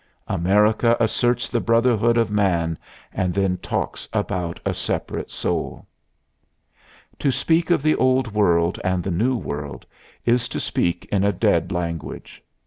America asserts the brotherhood of man and then talks about a separate soul! To speak of the Old World and the New World is to speak in a dead language.